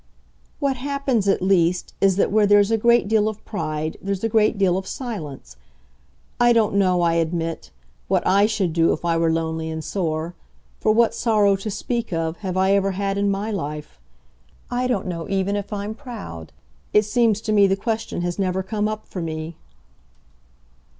"What happens at least is that where there's a great deal of pride there's a great deal of silence. I don't know, I admit, what I should do if I were lonely and sore for what sorrow, to speak of, have I ever had in my life? I don't know even if I'm proud it seems to me the question has never come up for me."